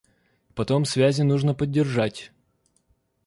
Потом связи нужно поддержать.